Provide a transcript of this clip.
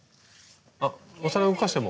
あお皿動かしても。